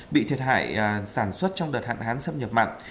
bị thiệt hại sản xuất trong đợt hạn hán xâm nhập mặn